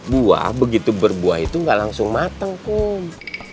buah begitu berbuah itu gak langsung mateng kum